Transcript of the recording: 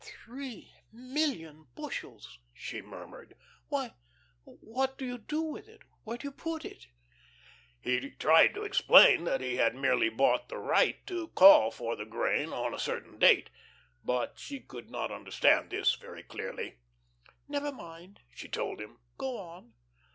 "Three million bushels!" she murmured. "Why, what do you do with it? Where do you put it?" He tried to explain that he had merely bought the right to call for the grain on a certain date, but she could not understand this very clearly. "Never mind," she told him, "go on."